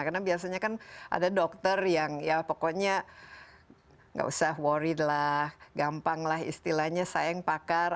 karena biasanya kan ada dokter yang ya pokoknya gak usah worried lah gampang lah istilahnya sayang pakar